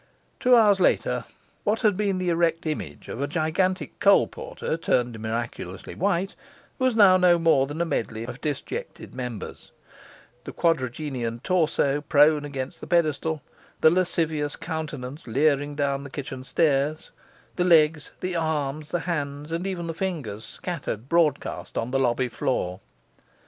Two hours later, what had been the erect image of a gigantic coal porter turned miraculously white, was now no more than a medley of disjected members; the quadragenarian torso prone against the pedestal; the lascivious countenance leering down the kitchen stair; the legs, the arms, the hands, and even the fingers, scattered broadcast on the lobby floor.